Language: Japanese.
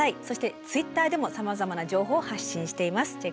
そしてＴｗｉｔｔｅｒでもさまざまな情報を発信しています。